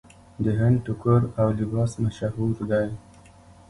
د هند ټوکر او لباس مشهور دی.